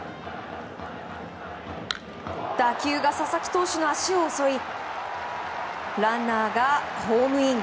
打球が佐々木投手の足を襲いランナーがホームイン。